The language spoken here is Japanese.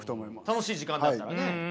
楽しい時間だったらね。